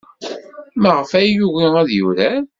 Maɣef ay yugi ad yurar?